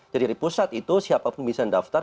jadi dari pusat itu siapapun bisa daftar